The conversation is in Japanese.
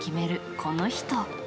この人。